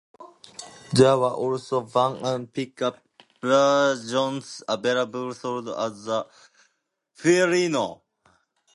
There were also van and pick-up versions available, sold as the Fiorino.